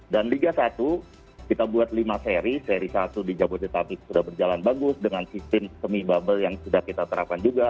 dan liga satu kita buat lima seri seri satu di jabodetabek sudah berjalan bagus dengan sistem semi bubble yang sudah kita terapkan juga